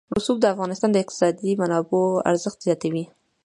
رسوب د افغانستان د اقتصادي منابعو ارزښت زیاتوي.